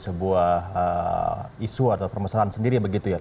sebuah isu atau permasalahan sendiri begitu ya